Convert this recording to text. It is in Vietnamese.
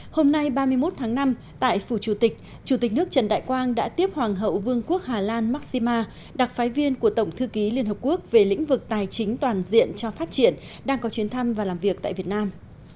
hôm nay ba mươi một tháng năm tại phủ chủ tịch chủ tịch nước trần đại quang đã tiếp hoàng hậu vương quốc hà lan maxima đặc phái viên của tổng thư ký liên hợp quốc về lĩnh vực tài chính toàn diện cho phát triển đang có chuyến thăm và làm việc tại việt nam